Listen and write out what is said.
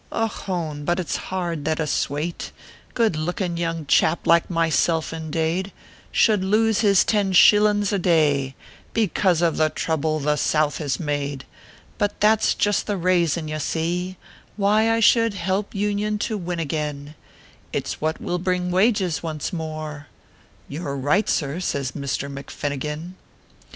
"Och hone! but it s hard that a swato Good lookin young chap like myself indado, Should loose his ten shillius a day Because of tho throublo tho South has made : But that s just tho raison, ye see, "Why I should help Union to win again It s that will bring wages once more "" You re right, sir," says Misther McFinnigan.